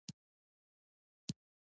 درناوی د ګډ ژوند اساس دی.